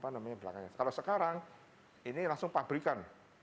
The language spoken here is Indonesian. kalau sekarang ini langsung pabrikan